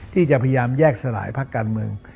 ที่จะพยายามแยกสลายพักการเมือง